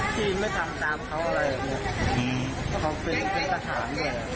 พี่ไม่ทำตามเขาอะไรอย่างงี้เขาก็เป็นสหารเนี้ย